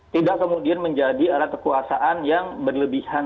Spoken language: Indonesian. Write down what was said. tidak kemudian menjadi alat kekuasaan yang berlebihan